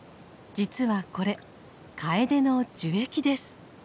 実はこれカエデの樹液です。